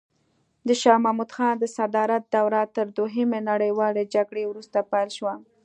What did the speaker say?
د شاه محمود خان د صدارت دوره تر دوهمې نړیوالې جګړې وروسته پیل شوه.